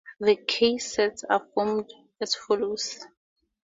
The K sets are formed as follows.